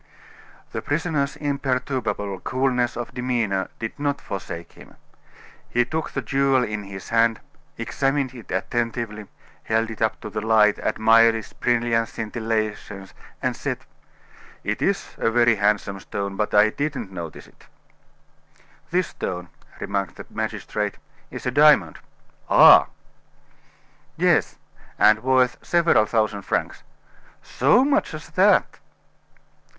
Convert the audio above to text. The prisoner's imperturbable coolness of demeanor did not forsake him. He took the jewel in his hand, examined it attentively, held it up to the light, admired its brilliant scintillations, and said: "It is a very handsome stone, but I didn't notice it." "This stone," remarked the magistrate, "is a diamond." "Ah!" "Yes; and worth several thousand francs." "So much as that!"